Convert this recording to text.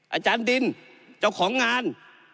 อาจารย์ดินเจ้าของงาน